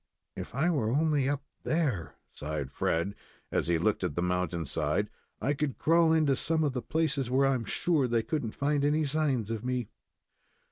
"If I were only up there," sighed Fred, as he looked at the mountain side, "I could crawl into some of the places, where I'm sure they couldn't find any signs of me."